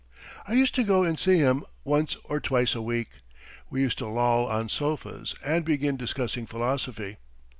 I used to go and see him once or twice a week. We used to loll on sofas and begin discussing philosophy.